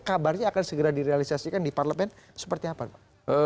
kabarnya akan segera direalisasikan di parlemen seperti apa pak